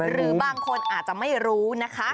หรือบางคนอาจจะไม่รู้นะคะ